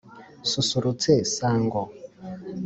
nsusurutse, sango